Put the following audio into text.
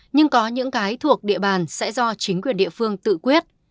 nhưng có những cái thuộc địa bàn sẽ do chính quyền địa phương tự quyết